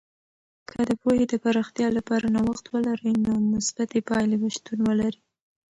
که د پوهې د پراختیا لپاره نوښت ولرئ، نو مثبتې پایلې به شتون ولري.